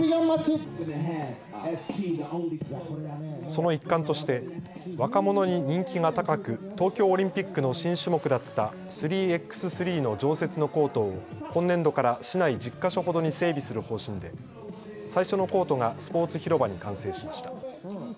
その一環として若者に人気が高く東京オリンピックの新種目だった３×３の常設のコートを今年度から市内１０か所ほどに整備する方針で最初のコートがスポーツ広場に完成しました。